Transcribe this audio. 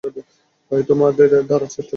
তোমাদের ধরার চেষ্টা করবে সে।